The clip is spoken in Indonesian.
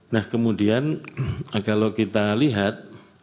nah kemudian kalau kita lihat